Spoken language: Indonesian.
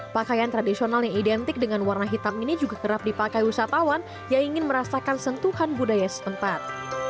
pakaian tradisional yang identik dengan warna hitam ini juga kerap dipakai wisatawan yang ingin merasakan sentuhan budaya setempat